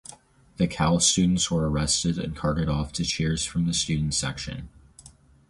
The Cal students were arrested and carted off to cheers from the student section.